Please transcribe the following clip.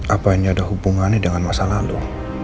apa ini ada hubungannya dengan masa lalu